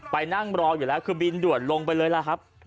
ไปนั่งรออยู่แล้วคือบินด่วนลงไปเลยล่ะครับ